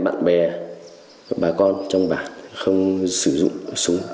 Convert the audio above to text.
bạn bè bà con trong bản không sử dụng súng